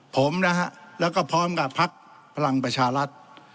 ผมนะฮะแล้วก็พร้อมกับพลักษณ์พลังประชาลัทธิ์